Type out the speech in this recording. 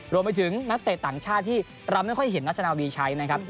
รวมไปถึงนักเตะต่างชาติที่เราไม่ค่อยเห็นนัชนาวีใช้นะครับ